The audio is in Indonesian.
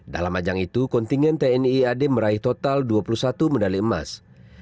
dalam ajang itu kontingen tni ad meraih total dua puluh satu medali emas